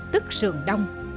tức sườn đông